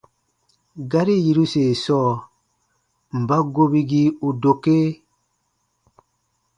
Gari yiruse sɔɔ: mba gobigii u dokee?